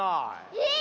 えっ！